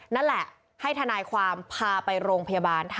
นั่นแหละให้ทนายความพาไปโรงพยาบาล